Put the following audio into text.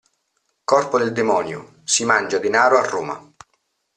Corpo del demonio, si mangia denaro a Roma!